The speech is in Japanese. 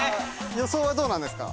予想はどうなんですか？